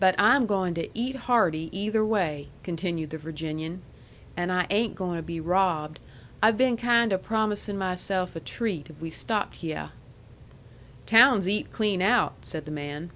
"But I'm goin' to eat hearty either way," continued the Virginian. "And I ain' goin' to be robbed. I've been kind o' promisin' myself a treat if we stopped hyeh." "Town's eat clean out," said the man.